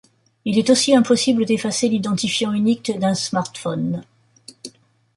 Il est aussi impossible d’effacer l'identifiant unique d'un smartphone.